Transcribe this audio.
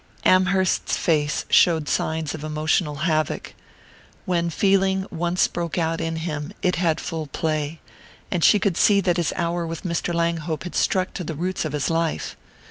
Amherst's face showed signs of emotional havoc: when feeling once broke out in him it had full play, and she could see that his hour with Mr. Langhope had struck to the roots of life.